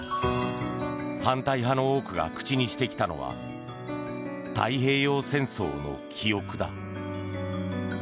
反対派の多くが口にしてきたのは太平洋戦争の記憶だ。